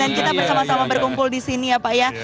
dan kita bersama sama berkumpul di sini ya pak ya